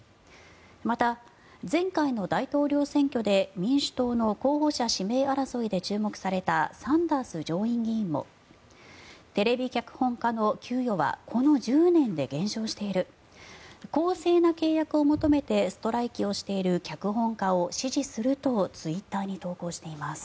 また、前回の大統領選挙で民主党の候補者指名争いで注目されたサンダース上院議員もテレビ脚本家の給与はこの１０年で減少している公正な契約を求めてストライキをしている脚本家を支持するとツイッターに投稿しています。